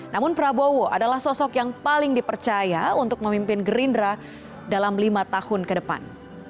namun prabowo adalah sosok yang paling dipercaya untuk memimpin gerindra dalam lima tahun ke depan